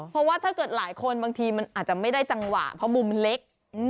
เพราะว่าถ้าเกิดหลายคนบางทีมันอาจจะไม่ได้จังหวะเพราะมุมมันเล็ก